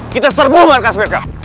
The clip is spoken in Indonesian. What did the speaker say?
kita serbu markas mereka